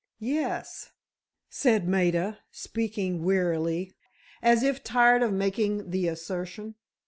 "Yes," said Maida, speaking wearily, as if tired of making the assertion.